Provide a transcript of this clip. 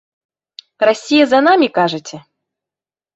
Расія за намі, кажаце?